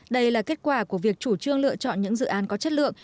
đây là kết quả của việc chủ trương lựa chọn những dự án có chất lượng